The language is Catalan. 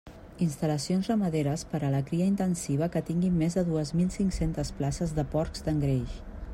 Instal·lacions ramaderes per a la cria intensiva que tinguin més de dues mil cinc-centes places de porcs d'engreix.